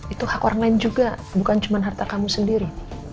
itu hak orang lain juga bukan cuma harta kamu sendiri